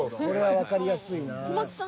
これはわかりやすいなぁ。